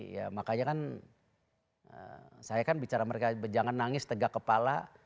ya makanya kan saya kan bicara mereka jangan nangis tegak kepala